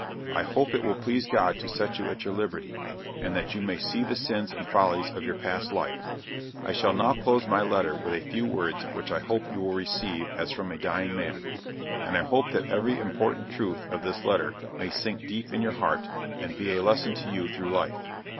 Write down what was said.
I hope it will please God to set you at your liberty, and that you may see the sins and follies of your life past. I shall now close my letter with a few words which I hope you will receive as from a dying man; and I hope that every important truth of this letter may sink deep in your heart, and be a lesson to you through life.